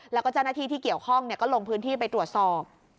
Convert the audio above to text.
แล้วก็เจ้าหน้าที่ที่เกี่ยวข้องก็ลงพื้นที่ไปตรวจสอบ